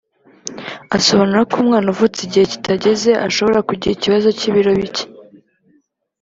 Asobanura ko umwana uvutse igihe kitageze ashobora kugira ikibazo cy’ibiro bike